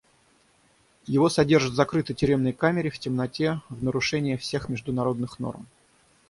Его содержат в закрытой тюремной камере, в темноте, в нарушение всех международных норм.